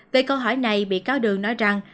về câu hỏi này bị cáo đường nói rằng